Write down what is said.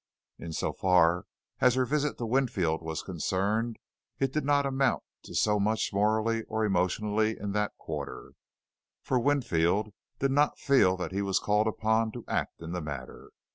In so far as her visit to Winfield was concerned, it did not amount to so much morally or emotionally in that quarter, for Winfield did not feel that he was called upon to act in the matter.